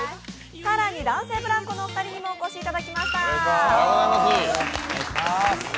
男性ブランコのお二人にもお越しいただきました。